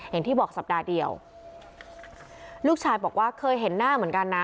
อย่างที่บอกสัปดาห์เดียวลูกชายบอกว่าเคยเห็นหน้าเหมือนกันนะ